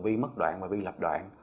vi mất đoạn và vi lập đoạn